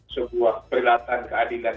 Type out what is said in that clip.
sebuah perhelatan keadilan